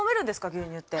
牛乳って。